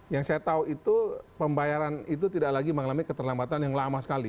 yang saya tahu itu pembayaran itu tidak lagi mengalami keterlambatan yang lama sekali